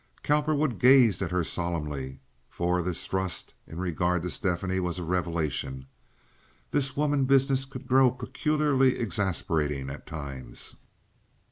Cowperwood gazed at her solemnly, for this thrust in regard to Stephanie was a revelation. This woman business could grow peculiarly exasperating at times.